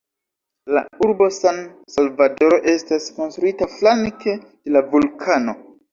La urbo San-Salvadoro estas konstruita flanke de la vulkano.